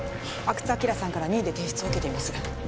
阿久津晃さんから任意で提出を受けています